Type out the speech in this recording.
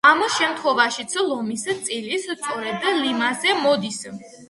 ამ შემთხვევაშიც ლომის წილი სწორედ ლიმაზე მოდის.